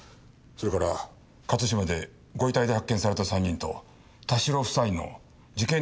それから勝島でご遺体で発見された３人と田代夫妻の事件